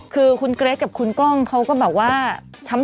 คือคุณเกรทกับคุณกล้องเขาก็แบบว่าช้ำ